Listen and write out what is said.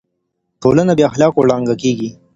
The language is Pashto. ټولنه بې اخلاقو ړنګه کيږي.